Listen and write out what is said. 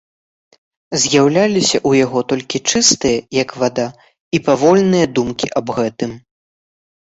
З'яўляліся ў яго толькі чыстыя, як вада, і павольныя думкі аб гэтым.